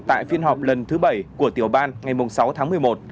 tại phiên họp lần thứ bảy của tiểu ban ngày sáu tháng một mươi một